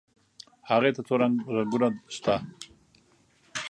هغې ته څو رنګونه شته.